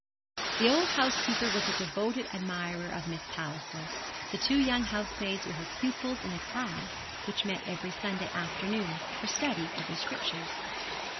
The old housekeeper was a devoted admirer of Miss Palliser; the two young housemaids were her pupils in a class which met every Sunday afternoon for study of the Scriptures.